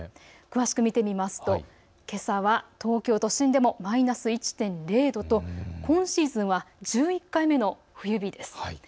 詳しく見てみますとけさは東京都心でもマイナス１．０度と今シーズンは１１回目の冬日です。